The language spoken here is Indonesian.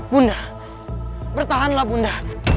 bunda bertahanlah bunda